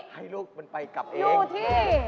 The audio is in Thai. ให้ลูกมันไปกลับเองอยู่ที่